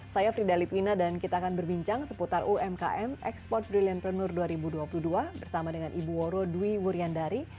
saya frida litwina dan kita akan berbincang seputar umkm export brilliantpreneur dua ribu dua puluh dua bersama dengan ibu woro dwi wuryandari